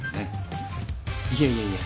いやいやいや。